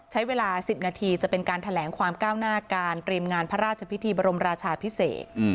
ใช้เวลา๑๐นาทีจะเป็นการแถลงความก้าวหน้าการเตรียมงานพระราชพิธีบรมราชาพิเศษ